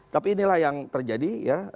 tapi inilah yang terjadi ya